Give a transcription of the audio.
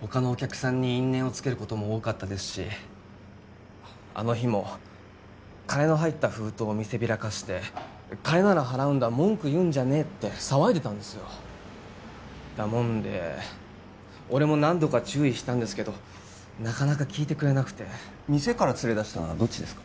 他のお客さんに因縁をつけることも多かったですしあの日も金の入った封筒を見せびらかして「金なら払うんだ文句言うんじゃねえ」って騒いでたんですよだもんで俺も何度か注意したんですけど聞いてくれなくて店から連れ出したのはどっちですか？